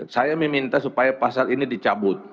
saya meminta supaya pasal ini dicabut